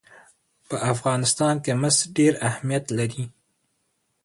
په افغانستان کې مس ډېر اهمیت لري.